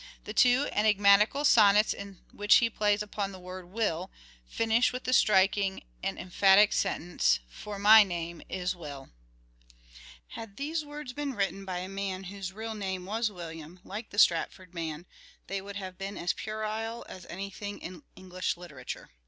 The two enigmatical sonnets in which he plays upon the word " will " finish with striding and emphatic sentence : ''For my najne is Will," 348 " SHAKESPEARE " IDENTIFIED Had these words been written by a man whose real name was William, like the Stratford man, they would have been as puerile as anything in English literature.